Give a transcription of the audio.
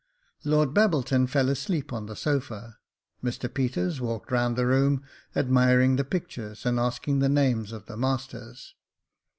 Lord Babbleton fell asleep on the sofa. Mr Peters walked round the room, admiring the pictures and asking the names of the masters.